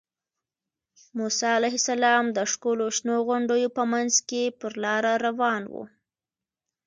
موسی علیه السلام د ښکلو شنو غونډیو په منځ کې پر لاره روان و.